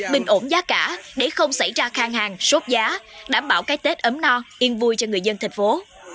bình ổn giá cả để không xảy ra khang hàng sốt giá đảm bảo cái tết ấm no yên vui cho người dân thành phố